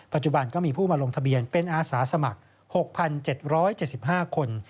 ก็มีผู้มาลงทะเบียนเป็นอาสาสมัคร๖๗๗๕คน